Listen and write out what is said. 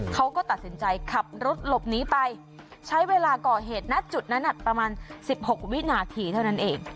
เขาก็ตัดสินใจขับรถหลบหนีไปใช้เวลาก่อเหตุณจุดนั้นประมาณ๑๖วินาทีเท่านั้นเอง